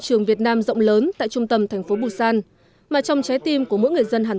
trường việt nam rộng lớn tại trung tâm thành phố busan mà trong trái tim của mỗi người dân hàn